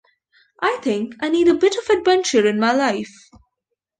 I think I need a bit of adventure in my life.